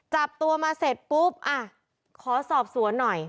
จับตัวมาเสร็จปุ๊บอ่ะขอสอบสวนหน่อย